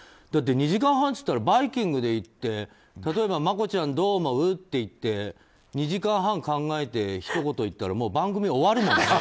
だって２時間半っていったら「バイキング」で言って例えばマコちゃん、どう思う？って言って２時間半考えてひと言言ったら番組終わるもんね。